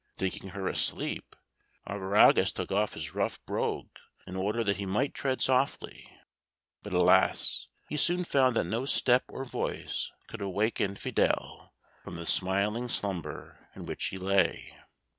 Thinking her asleep, Arviragus took off his rough brogues, in order that he might tread softly. But alas, he soon found that no step or voice could awaken Fidele from the smiling slumber in which he lay.